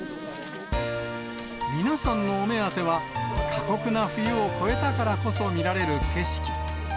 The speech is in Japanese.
皆さんのお目当ては、過酷な冬を越えたからこそ見られる景色。